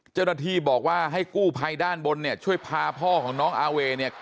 เจ้าหน้าที่บอกว่าให้กู้ภัยด้านบนเนี่ยช่วยพาพ่อของน้องอาเวเนี่ย